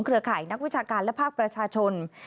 ข่ายนักวิชาการและภาคประชาชน